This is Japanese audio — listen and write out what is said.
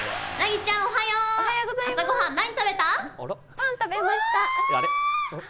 パン食べました。